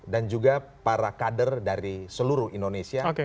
dan juga para kader dari seluruh indonesia